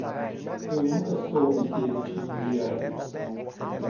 Eu nunca soube que ele tinha um diário.